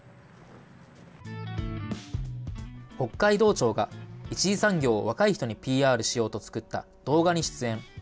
北海道庁が、１次産業を若い人にＰＲしようと、作った動画に出演。